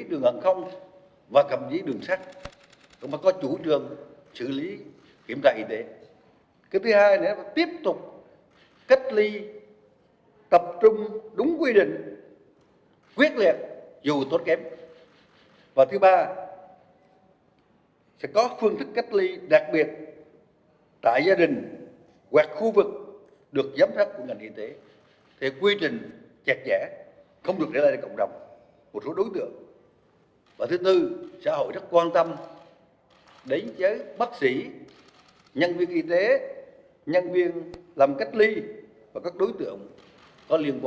đến với bác sĩ nhân viên y tế nhân viên làm cách ly và các đối tượng có liên quan đến những dễ dàng lây dịp